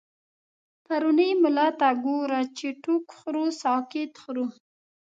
پرونی ملا ته گوره، چی ټوک خورو سقاط خورو